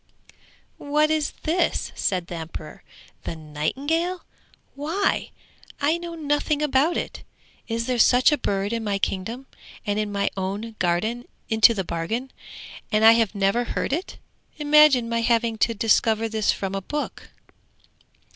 'What is this?' said the emperor. 'The nightingale? Why, I know nothing about it. Is there such a bird in my kingdom, and in my own garden into the bargain, and I have never heard of it? Imagine my having to discover this from a book?'